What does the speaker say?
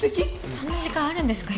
そんな時間あるんですか？